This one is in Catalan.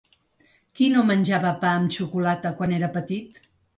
Qui no menjava pa amb xocolata quan era petit?